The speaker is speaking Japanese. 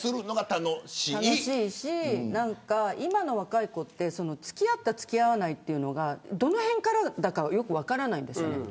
楽しいし、今の若い子って付き合った、付き合わないがどのへんからだかよく分からないんです。